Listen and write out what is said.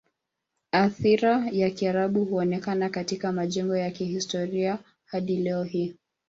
Athira ya Kiarabu huonekana katika majengo ya kihistoria hadi leo hii.